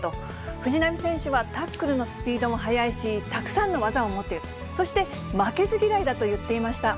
藤波選手はタックルのスピードも速いし、たくさんの技を持っている、そして負けず嫌いだと言っていました。